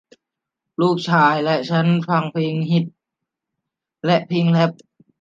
ลูกชายของฉันฟังเพลงฮิพฮอพและเพลงแรพ